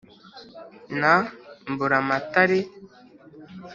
Na Mburamatare,